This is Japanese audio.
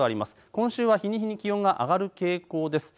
今週は日に日に気温が上がる傾向です。